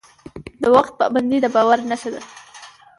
د وخت پابندي د باور نښه ده.